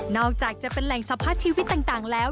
อกจากจะเป็นแหล่งสัมผัสชีวิตต่างแล้ว